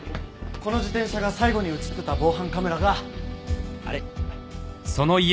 この自転車が最後に映ってた防犯カメラがあれ。